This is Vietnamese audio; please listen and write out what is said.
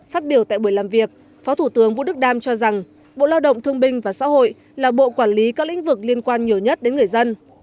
phát biểu tại buổi làm việc phó thủ tướng vũ đức đam cho rằng bộ lao động thương binh và xã hội là bộ quản lý các lĩnh vực liên quan nhiều nhất đến người dân